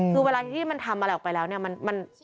คือเวลาที่มันทำอะไรออกไปแล้วเนี่ย